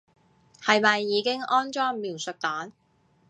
係咪已經安裝描述檔